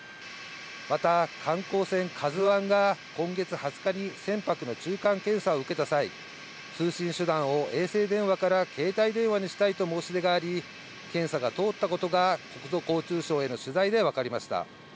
また、観光船カズワンが今月２０日に船舶の中間検査を受けた際、通信手段を衛星電話から携帯電話にしたいと申し出があり、検査が通ったことが国土交通省への取材で分かりました。